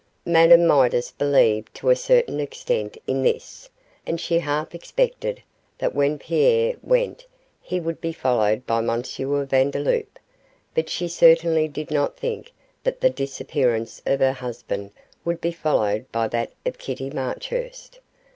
Madame Midas believed to a certain extent in this, and she half expected that when Pierre went he would be followed by M. Vandeloup, but she certainly did not think that the disappearance of her husband would be followed by that of Kitty Marchurst.